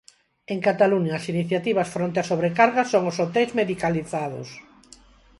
En Cataluña, as iniciativas fronte á sobrecarga son os hoteis medicalizados.